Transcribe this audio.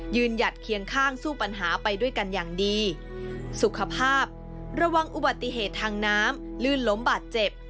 หยัดเคียงข้างสู้ปัญหาไปด้วยกันอย่างดีสุขภาพระวังอุบัติเหตุทางน้ำลื่นล้มบาดเจ็บ